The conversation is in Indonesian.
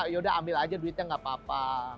yaudah ambil aja duitnya gak apa apa